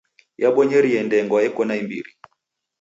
Yabonyeria ndengwa eko naimbiri.